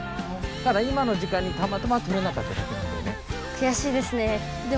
ただ今の時間にたまたまとれなかっただけなんだよね。